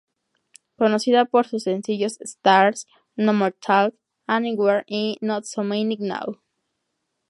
Conocida por sus sencillos "Stars", "No More Talk", "Anywhere" y "Not So Manic Now".